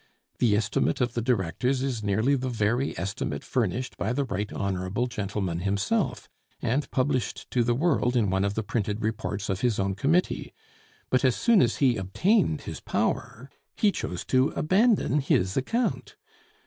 The estimate of the directors is nearly the very estimate furnished by the right honorable gentleman himself, and published to the world in one of the printed reports of his own committee; but as soon as he obtained his power, he chose to abandon his account.